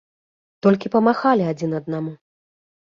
Толькі памахалі адзін аднаму.